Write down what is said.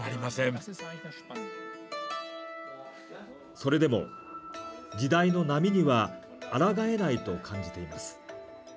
それでも、時代の波にはあらがえないと感じています。